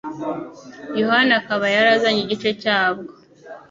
Yohana akaba yari azanye igice cyabwo.